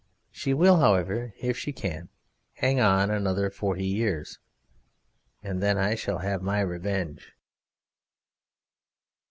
She will, however, if she can hang on another forty years, and then I shall have my revenge.